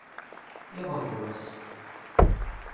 iḍ d wass